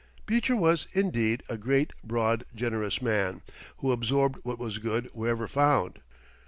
Beecher was, indeed, a great, broad, generous man, who absorbed what was good wherever found.